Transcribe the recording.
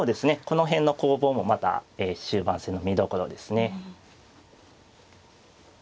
この辺の攻防もまた終盤戦の見どころですね。